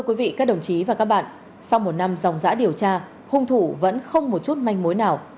quý vị các đồng chí và các bạn sau một năm dòng giã điều tra hung thủ vẫn không một chút manh mối nào